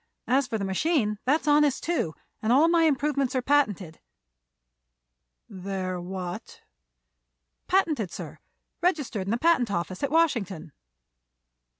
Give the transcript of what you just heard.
As for the machine, that's honest, too, and all my improvements are patented." "They're what?" "Patented, sir; registered in the patent office at Washington."